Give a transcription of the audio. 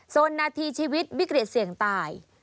นาทีชีวิตวิกฤตเสี่ยงตาย